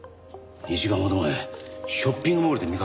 ２時間ほど前ショッピングモールで見かけた。